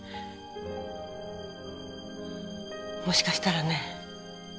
もしかしたらね。